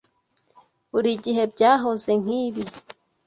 Buri gihe byahoze nkibi.